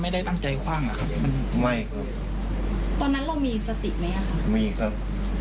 ไม่เมาครับ